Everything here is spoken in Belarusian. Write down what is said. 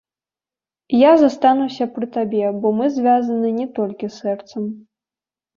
Я застануся пры табе, бо мы звязаны не толькі сэрцам.